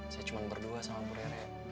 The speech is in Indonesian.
saya cuma berdua sama bu rere